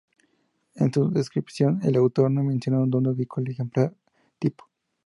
En su descripción, el autor no mencionó dónde ubicó al ejemplar tipo.